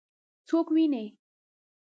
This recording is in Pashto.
څوک وویني؟